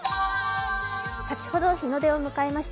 先ほど日の出を迎えました。